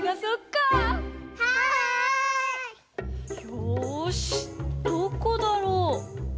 よしどこだろう？